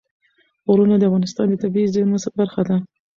غرونه د افغانستان د طبیعي زیرمو برخه ده.